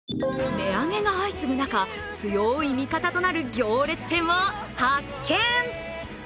値上げが相次ぐ中、強い味方となる行列店を発見！